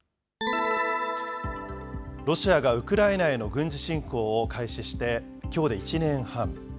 ロシアがウクライナへの軍事侵攻を開始してきょうで１年半。